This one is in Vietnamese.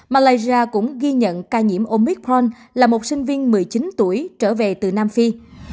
malaysia cũng ghi nhận ca nhiễm omicron là một sinh viên một mươi chín tuổi